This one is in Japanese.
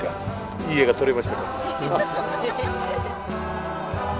いい絵が撮れましたか。